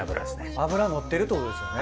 脂のってるってことですよね。